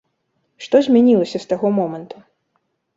Што змянілася з таго моманту?